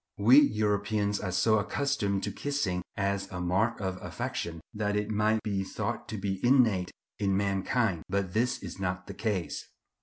We Europeans are so accustomed to kissing as a mark of affection, that it might be thought to be innate in mankind; but this is not the case.